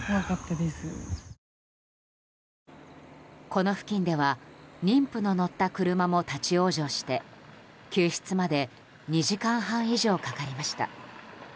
この付近では妊婦の乗った車も立ち往生して救出まで２時間半以上かかりました。